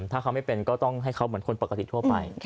ถ้าเขาไม่เป็นก็ต้องให้เขาเหมือนคนปกติทั่วไป